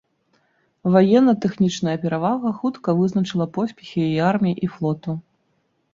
Ваенна-тэхнічная перавага хутка вызначыла поспехі яе арміі і флоту.